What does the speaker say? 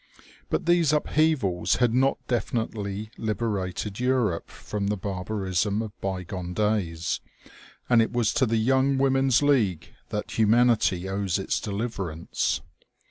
But these upheavals had not definitely liberated Europe from the barbarism of by gone days, and it was to the young women's league that humanity owes its deliverance.